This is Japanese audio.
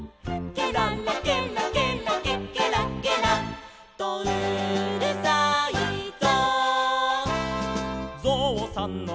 「ケララケラケラケケラケラとうるさいぞ」